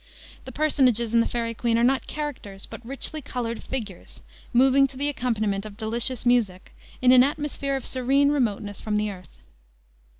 The personages in the Faery Queene are not characters, but richly colored figures, moving to the accompaniment of delicious music, in an atmosphere of serene remoteness from the earth.